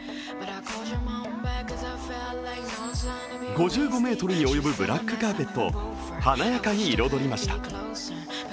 ５５ｍに及ぶブラックカーペットを華やかに彩りました。